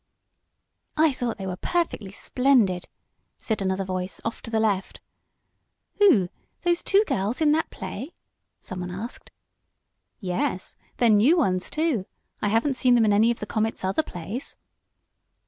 "I think they were perfectly splendid," said another voice off to the left. "Who, those two girls in that play?" some one asked. "Yes. They're new ones, too. I haven't seen them in any of the Comet's other plays."